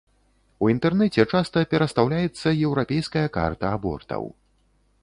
У інтэрнэце часта перастаўляецца еўрапейская карта абортаў.